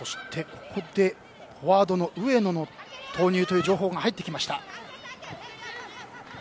ここでフォワードの上野の投入という情報が入ってきました。